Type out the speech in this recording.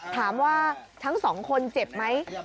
ถามว่าทั้งสองคนเจ็บไหม